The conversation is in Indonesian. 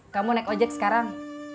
kamu naik ojek sekarang